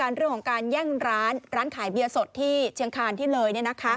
เรื่องของการแย่งร้านร้านขายเบียร์สดที่เชียงคานที่เลย